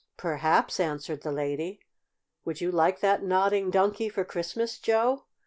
"Perhaps," answered the lady. "Would you like that Nodding Donkey for Christmas, Joe?"